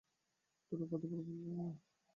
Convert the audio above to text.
তোরে কত বার বলব না!